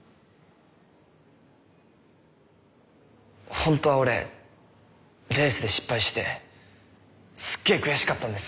ほんとは俺レースで失敗してすっげえ悔しかったんです。